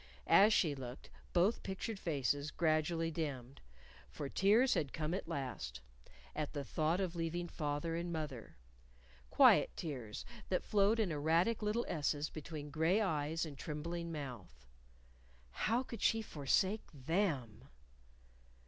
As she looked, both pictured faces gradually dimmed. For tears had come at last at the thought of leaving father and mother quiet tears that flowed in erratic little S's between gray eyes and trembling mouth. How could she forsake _them?